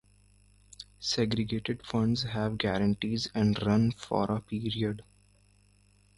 Segregated Funds have guarantees and run for a period.